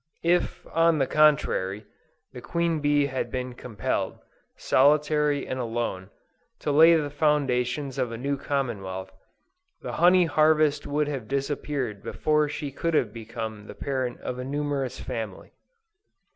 If, on the contrary, the queen bee had been compelled, solitary and alone, to lay the foundations of a new commonwealth, the honey harvest would have disappeared before she could have become the parent of a numerous family.